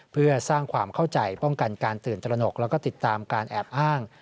เพื่อสร้างความเข้าใจป้องกันการตื่นตระหนกแล้วก็ติดตามการแอบอ้าง